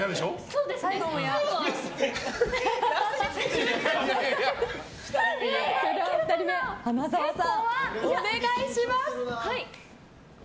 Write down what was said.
それでは２人目、花澤さんお願いします。